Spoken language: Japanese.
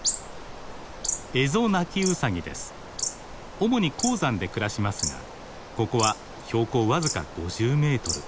主に高山で暮らしますがここは標高僅か５０メートル。